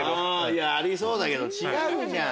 ありそうだけど違うじゃん。